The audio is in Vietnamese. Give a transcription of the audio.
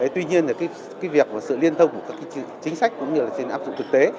tuy nhiên việc và sự liên thông của các chính sách cũng như áp dụng thực tế